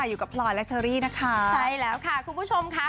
อยู่กับพลอยและเชอรี่นะคะใช่แล้วค่ะคุณผู้ชมค่ะ